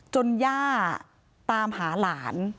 ย่าตามหาหลาน